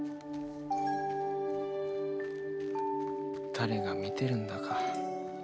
誰が見てるんだか。